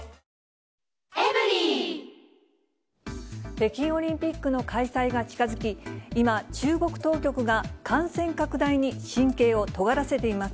北京オリンピックの開催が近づき、今、中国当局が感染拡大に神経をとがらせています。